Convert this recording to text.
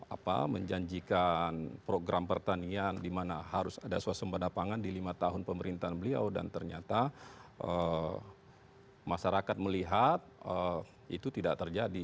apa menjanjikan program pertanian di mana harus ada suasembada pangan di lima tahun pemerintahan beliau dan ternyata masyarakat melihat itu tidak terjadi